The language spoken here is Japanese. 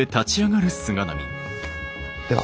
では。